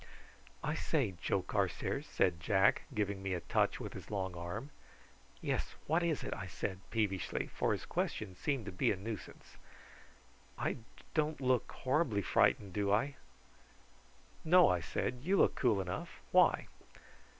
"I say, Joe Carstairs," said Jack, giving me a touch with his long arm. "Yes; what is it?" I said peevishly, for his questions seemed to be a nuisance. "I don't look horribly frightened, do I?" "No," I said; "you look cool enough. Why?"